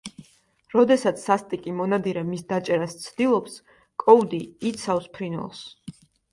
როდესაც სასტიკი მონადირე მის დაჭერას ცდილობს, კოუდი იცავს ფრინველს.